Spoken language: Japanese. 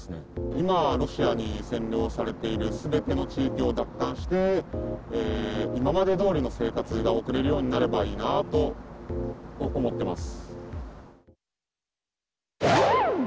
今、ロシアに占領されているすべての地域を奪還して、今までどおりの生活が送れるようになればいいなと思ってます。